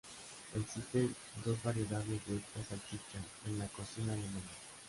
Existen dos variedades de esta salchicha en la cocina alemana.